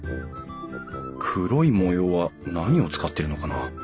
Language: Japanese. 黒い模様は何を使ってるのかな？